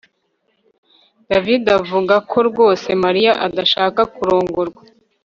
davide avuga ko rwose mariya adashaka kurongorwa